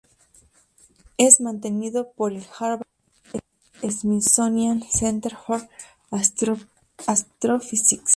Es mantenido por el Harvard-Smithsonian Center for Astrophysics.